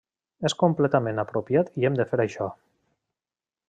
És completament apropiat i hem de fer això.